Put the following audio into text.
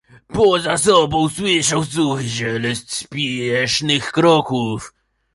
"Poza sobą słyszał suchy szelest spiesznych kroków."